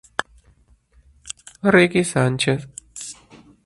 Ricky Sánchez